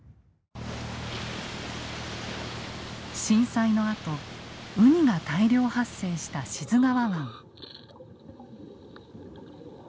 震災のあとウニが大量発生した志津川湾。